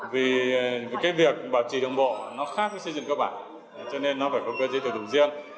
vì cái việc bảo trì đường bộ nó khác với xây dựng cơ bản cho nên nó phải có cơ chế tự thủ tục riêng